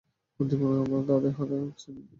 উদ্দীপনা তাদের হাতছানি দিয়ে ডাকল।